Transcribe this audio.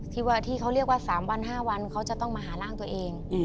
ที่เขาเรียกว่า๓วัน๕วันเขาจะต้องมาหาร่างตัวเอง